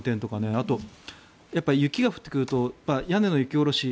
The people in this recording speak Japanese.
あと、雪が降ってくると屋根の雪下ろし。